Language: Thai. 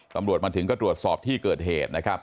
ตำรวจมาถึงก็ตรวจสอบที่เกิดเหตุนะครับ